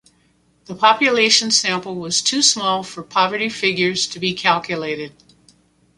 The population sample was too small for poverty figures to be calculated.